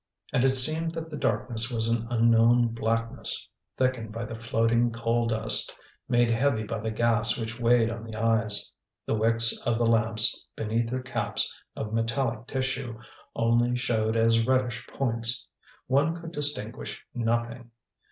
And it seemed that the darkness was an unknown blackness, thickened by the floating coal dust, made heavy by the gas which weighed on the eyes. The wicks of the lamps beneath their caps of metallic tissue only showed as reddish points. One could distinguish nothing.